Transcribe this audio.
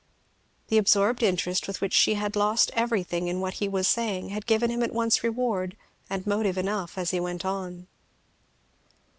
The absorbed interest with which she had lost everything else in what he was saying had given him at once reward and motive enough as he went on.